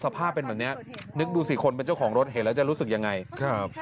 สภาพเป็นแบบเนี้ยนึกดูสิคนเป็นเจ้าของรถเห็นแล้วจะรู้สึกยังไงครับ